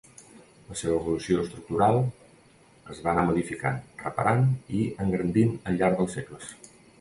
La seva evolució estructural es va anar modificant, reparant i engrandint al llarg dels segles.